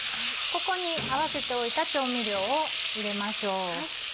ここに合わせておいた調味料を入れましょう。